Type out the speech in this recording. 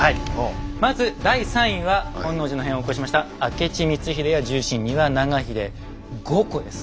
まず第３位は本能寺の変を起こしました明智光秀や重臣・丹羽長秀５個です。